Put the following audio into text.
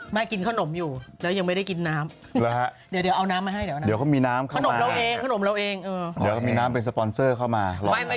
แม่กินขนมอยู่แล้วยังไม่ได้กินน้ำเดี๋ยวเอาน้ำมาให้เดี๋ยวมีน้ำเป็นสปอนเซอร์เข้ามา